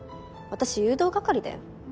私誘導係だよ。